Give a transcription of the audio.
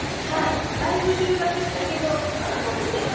だいぶ収穫したけどまだ残ってたんだ。